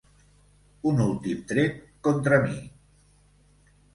Un últim tret contra mi.